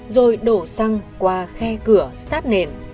rồi đổ xăng qua khe cửa sát nền